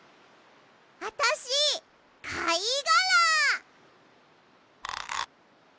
あたしかいがら！